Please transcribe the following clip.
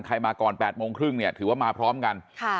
ใครมาก่อนแปดโมงครึ่งเนี่ยถือว่ามาพร้อมกันค่ะ